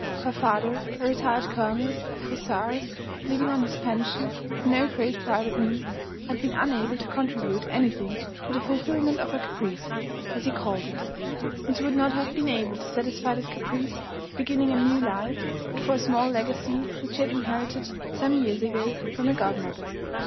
Her father, a retired colonel of hussars living on his pension, with no great private means, had been unable to contribute anything to the fulfilment of her caprice, as he called it; and she would not have been able to satisfy that caprice, of beginning a new life, but for a small legacy which she had inherited some years ago from a godmother.